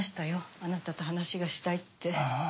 あなたと話がしたいって。